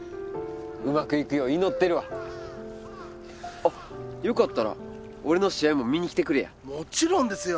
うまくいくよう祈ってるわあっよかったら俺の試合も見に来てくれやもちろんですよ！